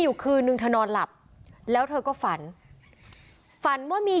วิทยาลัยศาสตรี